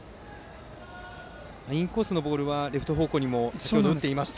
インコースのボールはレフト方向にも先程、打っていましたし。